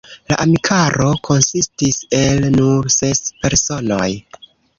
La amikaro konsistis el nur ses personoj.